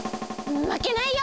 まけないよ！